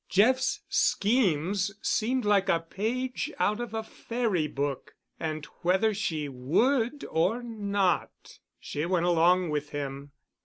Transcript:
Jeff's schemes seemed like a page out of a fairy book, and, whether she would or not, she went along with him.